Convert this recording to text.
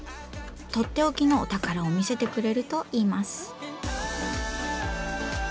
とっておきのお宝を見せてくれるといいます。